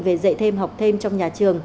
về dạy thêm học thêm trong nhà trường